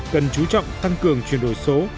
cần chú trọng tăng cường chuyển đổi số